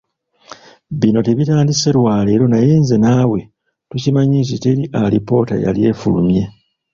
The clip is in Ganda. Bino tebitandise lwa leero naye nze naawe tukimanyi nti teri alipoota yali efulumye .